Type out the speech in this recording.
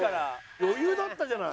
余裕だったじゃない。